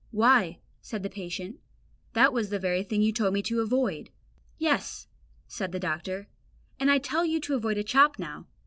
"Why," said the patient, "that was the very thing you told me to avoid." "Yes," said the doctor, "and I tell you to avoid a chop now.